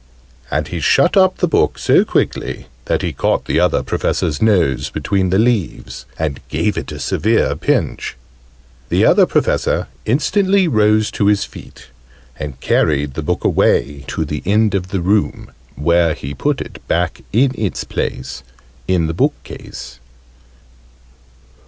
And he shut up the book so quickly that he caught the Other Professor's nose between the leaves, and gave it a severe pinch. The Other Professor instantly rose to his feet, and carried the book away to the end of the room, where he put it back in its place in the book case.